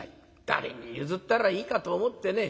誰に譲ったらいいかと思ってね。